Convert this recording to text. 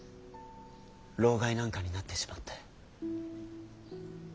労咳なんかになってしまって。